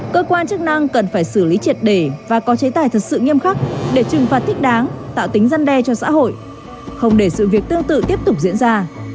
cơ quan chức năng cần phải xử lý triệt để và có chế tài thật sự nghiêm khắc để trừng phạt thích đáng tạo tính dân đe cho xã hội không để sự việc tương tự tiếp tục diễn ra